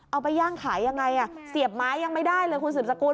ไปย่างขายยังไงเสียบไม้ยังไม่ได้เลยคุณสืบสกุล